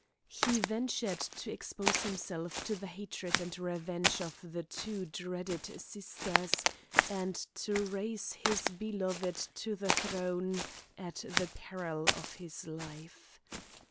He ventured to expose himself to the hatred and revenge of the two dreaded sisters, and to raise his beloved to the throne at the peril of his life.